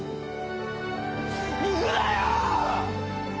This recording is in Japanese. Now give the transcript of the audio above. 行くなよー！